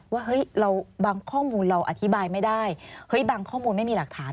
ว่าเฮ้ยเราบางข้อมูลเราอธิบายไม่ได้เฮ้ยบางข้อมูลไม่มีหลักฐาน